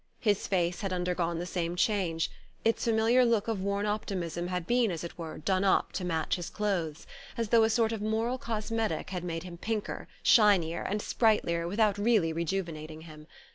His face had undergone the same change: its familiar look of worn optimism had been, as it were, done up to match his clothes, as though a sort of moral cosmetic had made him pinker, shinier and sprightlier without really rejuvenating him.